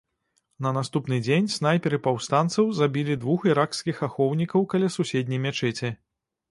На наступны дзень снайперы паўстанцаў забілі двух іракскіх ахоўнікаў каля суседняй мячэці.